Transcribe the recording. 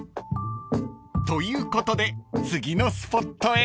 ［ということで次のスポットへ］